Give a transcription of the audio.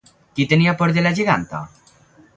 Qui tenia por de la geganta?